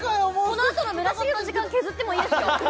このあとの村重の時間削ってもいいですよ